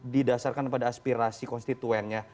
didasarkan pada aspirasi konstituennya